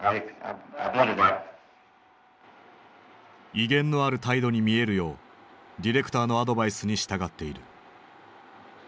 威厳のある態度に見えるようディレクターのアドバイスに従っている。